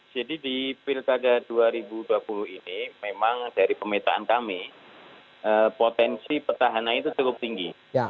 jadi di pilkada dua ribu dua puluh ini memang dari pemetaan kami potensi pertahanan itu cukup tinggi